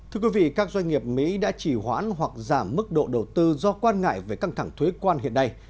thưa quý vị các doanh nghiệp mỹ đã chỉ hoãn hoặc giảm mức độ đầu tư do quan ngại về căng thẳng thuế quan hiện nay